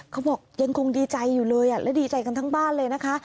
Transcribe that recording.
เขาบอกยังคงดีใจอยู่เลยและดีใจกันทั้งบ้านเลยนะคะ